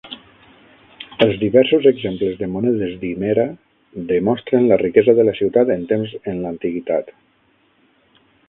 Els diversos exemples de monedes d'Himera demostren la riquesa de la ciutat en temps en l'antiguitat.